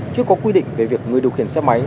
chưa có quy định về việc người điều khiển xe máy